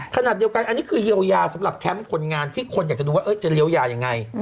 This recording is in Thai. ขณะเดียวกันอันนี้คือเยียวยาสำหรับแคมป์คนงานที่คนอยากจะดูว่าจะเลี้ยวยายังไง